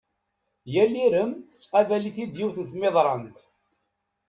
Yal irem tettqabal-it-id yiwet n tmiḍrant.